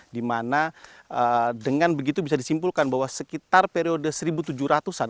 dimana dengan begitu bisa disimpulkan bahwa sekitar periode seribu tujuh ratus an